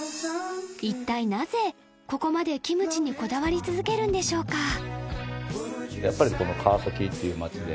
一体なぜここまでキムチにこだわり続けるんでしょうか？